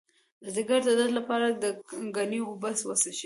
د ځیګر د درد لپاره د ګنیو اوبه وڅښئ